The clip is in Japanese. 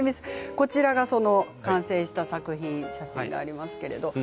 こちらが完成した作品写真があります。